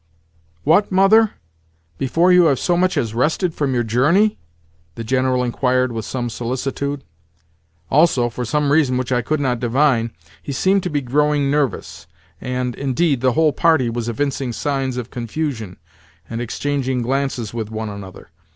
"What, mother? Before you have so much as rested from your journey?" the General inquired with some solicitude. Also, for some reason which I could not divine, he seemed to be growing nervous; and, indeed, the whole party was evincing signs of confusion, and exchanging glances with one another.